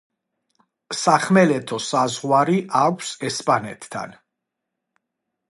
სახმელეთო საზღვარი აქვს ესპანეთთან.